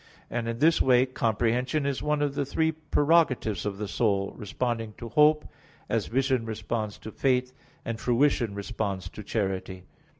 And in this way "comprehension" is one of the three prerogatives of the soul, responding to hope, as vision responds to faith, and fruition responds to charity.